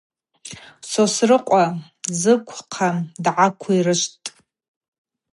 Сосрыкъва зыквхъа дгӏаквирышвтӏ.